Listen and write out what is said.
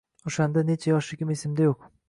O‘shanda necha yoshligim esimda yo‘q.